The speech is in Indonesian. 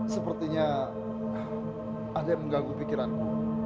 sepertinya ada yang mengganggu pikiranmu